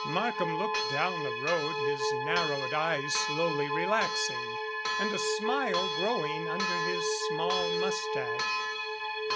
Markham looked down the road, his narrowed eyes slowly relaxing and a smile growing under his small mustache.